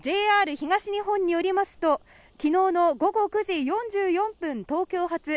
ＪＲ東日本によりますと昨日の午後９時４４分東京発